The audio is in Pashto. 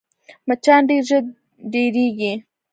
مچان ډېر ژر ډېرېږي